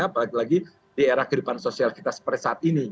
apalagi lagi di era kehidupan sosial kita seperti saat ini